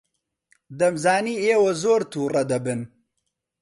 دەمزانی ئێوە زۆر تووڕە دەبن.